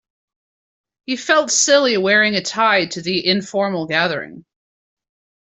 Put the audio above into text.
He felt silly wearing a tie to the informal gathering.